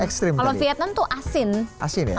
kalau vietnam tuh asin